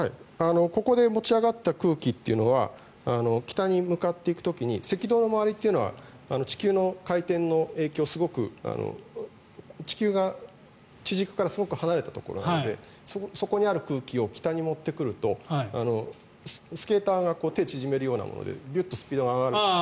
ここで持ち上がった空気というのは北に向かっていく時に赤道の周りというのは地球の回転の影響をすごく地球の地軸からすごく離れたところなのでそこにある空気を北に持ってくるとスケーターが手を縮めるようなものでギュッとスピードが上がるんです。